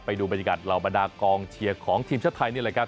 ไปดูบรรยากาศเหล่าบรรดากองเชียร์ของทีมชาติไทยนี่แหละครับ